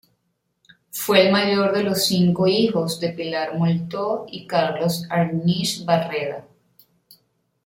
Fue el mayor de los cinco hijos de Pilar Moltó y Carlos Arniches Barreda.